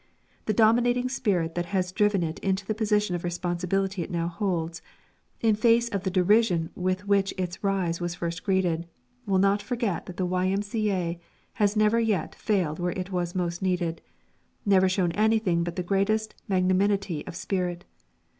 the dominating spirit that has driven it into the position of responsibility it now holds in face of the derision with which its rise was first greeted will not forget that the Y.M.C.A. has never yet failed where it was most needed, never shown anything but the greatest magnanimity of spirit.